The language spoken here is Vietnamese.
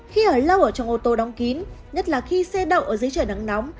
khi ở lau ở trong ô tô đóng kín nhất là khi xe đậu ở dưới trời nắng nóng